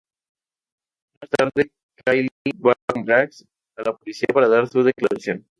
Más tarde Kyle va con Brax a la policía para dar su declaración.